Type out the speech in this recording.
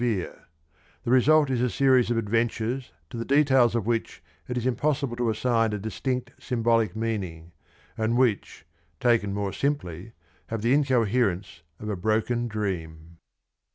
Bradley is more severe :" The result is a series of adventures to the details of which it is impossible to assign a distinct sy mbolic me aning, and which, taken more simply, have the i ncoherence of a broken dre am.'"